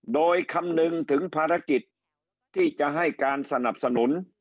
โดยคำนึงถึงภารกิจที่จะให้การสนับสนุน